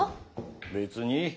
別に。